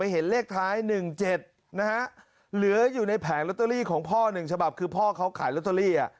เหลืออยู่ในแผงโรตเตอรี่ของพ่อหนึ่งฉะบับคือพ่อเค้าขายโรตเตอรี่